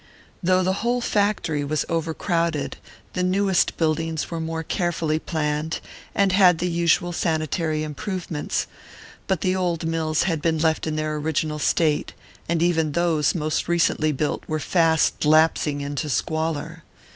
Though the whole factory was over crowded, the newest buildings were more carefully planned, and had the usual sanitary improvements; but the old mills had been left in their original state, and even those most recently built were fast lapsing into squalor.